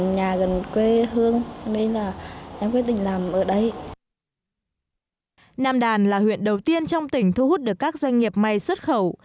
nam đàn là huyện đầu tiên trong tỉnh thu hút được các doanh nghiệp may xuất khẩu